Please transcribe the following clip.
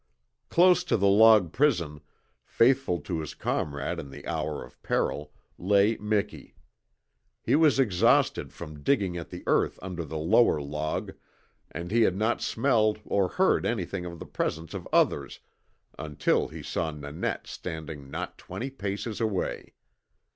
Close to the log prison, faithful to his comrade in the hour of peril, lay Miki. He was exhausted from digging at the earth under the lower log, and he had not smelled or heard anything of the presence of others until he saw Nanette standing not twenty paces away.